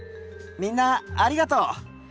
みんなありがとう。